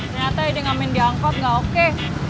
ternyata ide ngamen diangkut gak oke